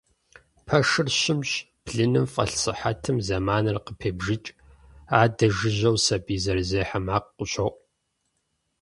Пэшыр щымщ, блыным фӏэлъ сыхьэтым зэманыр къыпебжыкӏ, адэ жыжьэу сэбий зэрызехьэ макъ къыщоӏу.